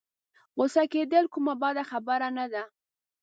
غوسه کېدل کومه بده خبره نه ده.